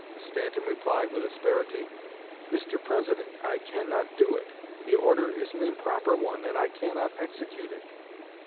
Stanton replied, with asperity, 'Mr. President, I cannot do it. The order is an improper one, and I cannot execute it.'